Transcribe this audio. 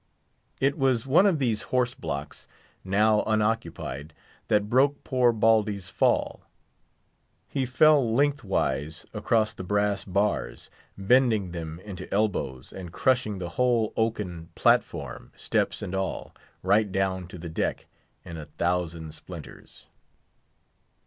It was one of these horse blocks, now unoccupied, that broke poor Baldy's fall. He fell lengthwise across the brass bars, bending them into elbows, and crushing the whole oaken platform, steps and all, right down to the deck in a thousand splinters.